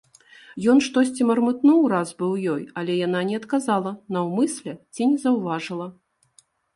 Ён штосьці мармытнуў раз быў ёй, але яна не адказала наўмысля ці не заўважыла.